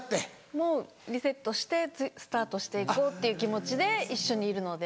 もうリセットしてスタートして行こうっていう気持ちで一緒にいるので。